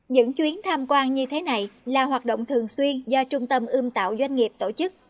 những chuyến tham quan như thế này là hoạt động thường xuyên do trung tâm ươm tạo doanh nghiệp tổ chức